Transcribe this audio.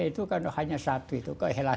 itu kan hanya satu itu